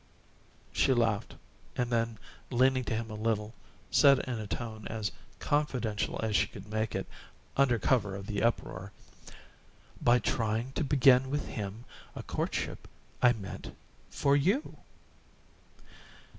She laughed, and then, leaning to him a little, said in a tone as confidential as she could make it, under cover of the uproar. "By trying to begin with him a courtship I meant for YOU!"